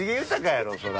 やろそら。